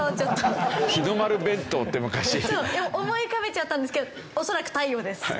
思い浮かべちゃったんですけど恐らく太陽です。